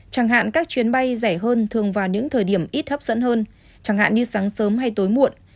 chẳng hạn các chuyến bay rẻ hơn thường vào những thời điểm ít hấp dẫn hơn chẳng hạn như sáng sớm hay tối muộn